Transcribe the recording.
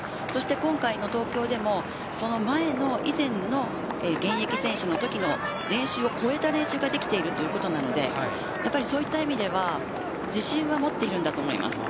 今回の東京でもその現役時代の練習を超えた練習ができているということなんでそういう意味で自信は持っていると思います。